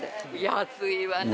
安いわね。